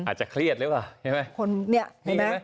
อาจจะเครียดเลยว่ะเห็นไหม